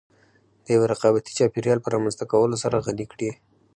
د يوه رقابتي چاپېريال په رامنځته کولو سره غني کړې.